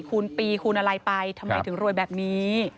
คูณปีคูณอะไรไปทำไมถึงรวยแบบนี้